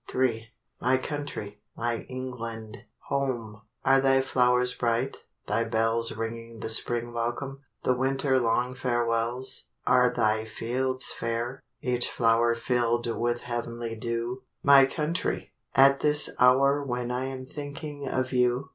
III My country, my England, home, Are thy flowers bright, thy bells Ringing the spring welcome, The winter long farewells? Are thy fields fair—each flower Fill'd with the heav'nly dew, My country, at this hour When I am thinking of you?